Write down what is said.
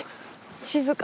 静か。